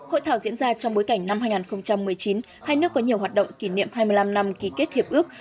hội thảo diễn ra trong bối cảnh năm hai nghìn một mươi chín hai nước có nhiều hoạt động kỷ niệm hai mươi năm năm ký kết hiệp ước